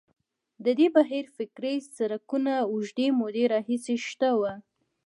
د دې بهیر فکري څرکونه اوږدې مودې راهیسې شته وو.